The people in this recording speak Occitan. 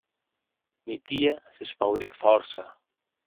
Mitia s'espauric fòrça.